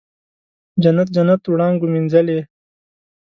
جنت، جنت وړانګو مینځلې